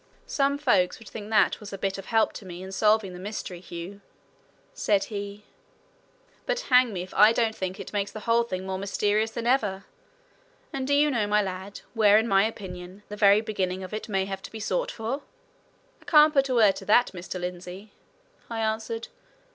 "Some folks would think that was a bit of help to me in solving the mystery, Hugh," said he; "but hang me if I don't think it makes the whole thing more mysterious than ever! And do you know, my lad, where, in my opinion, the very beginning of it may have to be sought for?" "I can't put a word to that, Mr. Lindsey," I answered.